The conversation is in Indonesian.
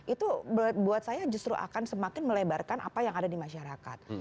itu buat saya justru akan semakin melebarkan apa yang ada di masyarakat